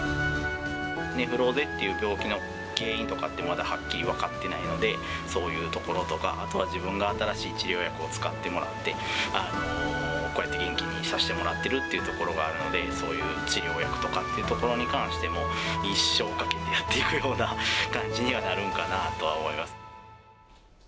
ネフローゼっていう病気の原因とかって、まだはっきり分かってないので、そういうところとか、あとは自分が新しい治療薬を使ってもらって、こうやって元気にさせてもらってるってところがあるので、そういう治療薬っていうところに関しても、一生かけてやっていくような感じにはなるんかなと思います。